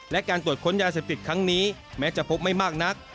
และการตรวจค้นยาเสพติดครั้งนี้แม้จะพบไม่มากนัก